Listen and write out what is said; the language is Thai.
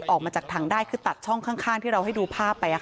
ออกมาจากถังได้คือตัดช่องข้างที่เราให้ดูภาพไป